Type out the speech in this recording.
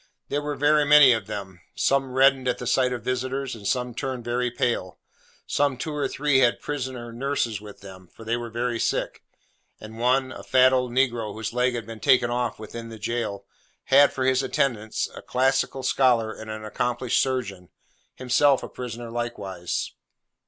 There were very many of them. Some reddened at the sight of visitors, and some turned very pale. Some two or three had prisoner nurses with them, for they were very sick; and one, a fat old negro whose leg had been taken off within the jail, had for his attendant a classical scholar and an accomplished surgeon, himself a prisoner likewise.